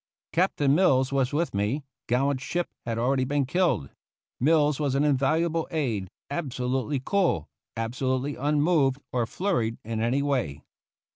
Captain Mills was with me ; gallant Ship had already been killed. Mills was an invaluable aide, absolutely cool, absolutely unmoved or flurried in any way.